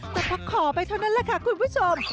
แต่พอขอไปเท่านั้นแหละค่ะคุณผู้ชม